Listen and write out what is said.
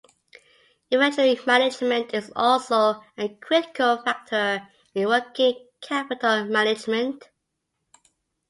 Inventory management is also a critical factor in working capital management.